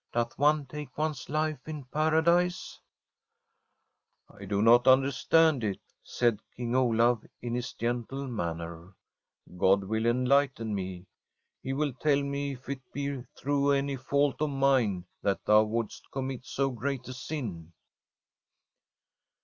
Doth one take one's life in Paradise ?'' I do not understand it/ said King Olaf, in his gentle manner. * God will enlighten me. He will tell me if it be through any fault of mine that thou wouldest commit so great a sin.'